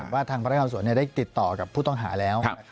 ว่าทางพนักงานสวนได้ติดต่อกับผู้ต้องหาแล้ว